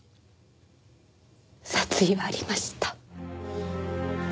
殺意はありました。